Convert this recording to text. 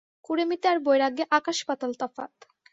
কুঁড়েমিতে আর বৈরাগ্যে আকাশ-পাতাল তফাত।